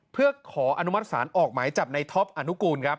เพื่อขออนุมัติศาลออกหมายจับในท็อปอนุกูลครับ